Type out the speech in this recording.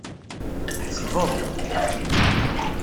Tḥesbeḍ.